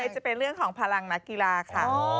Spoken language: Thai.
จะเป็นเรื่องของพลังนักกีฬาค่ะ